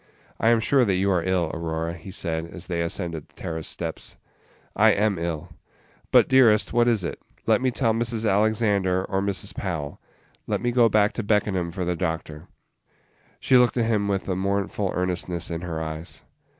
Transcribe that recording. "I am sure that you are ill, Aurora," he said, as they ascended the terrace steps. "I am ill." "But, dearest, what is it? Let me tell Mrs. Alexander, or Mrs. Powell. Let me go back to Beckenham for the doctor." She looked at him with a mournful earnestness in her eyes.